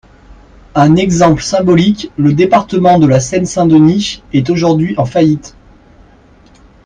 Un exemple symbolique, le département de la Seine-Saint-Denis est aujourd’hui en faillite.